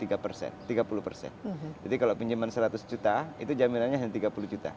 jadi kalau pinjaman seratus juta itu jaminannya hanya tiga puluh juta